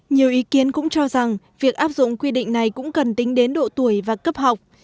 nhiều ý kiến cũng cho rằng việc áp dụng quy định này cũng cần tính đến độ tuổi và cấp học